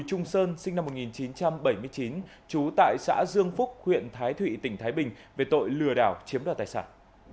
bùi trung sơn sinh năm một nghìn chín trăm bảy mươi chín trú tại xã dương phúc huyện thái thụy tỉnh thái bình về tội lừa đảo chiếm đoạt tài sản